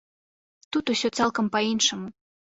Тут усё цалкам па-іншаму.